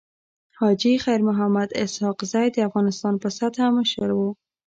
حاجي خير محمد اسحق زی د افغانستان په سطحه مشر وو.